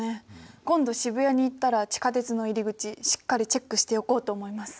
今度渋谷に行ったら地下鉄の入り口しっかりチェックしておこうと思います。